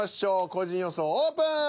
個人予想オープン。